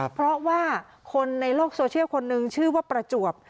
เพราะว่าคนในโลกโซเชียลคนนึงชื่อว่าประจวบ